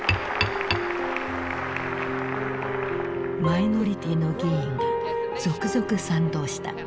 マイノリティーの議員が続々賛同した。